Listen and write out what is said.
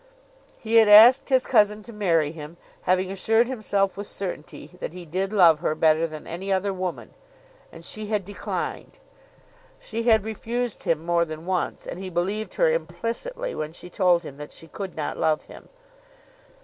He had asked his cousin to marry him, having assured himself with certainty that he did love her better than any other woman, and she had declined. She had refused him more than once, and he believed her implicitly when she told him that she could not love him.